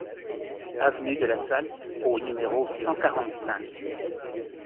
Avenue de la Salse au numéro cent quarante-cinq